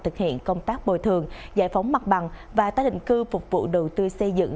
thực hiện công tác bồi thường giải phóng mặt bằng và tái định cư phục vụ đầu tư xây dựng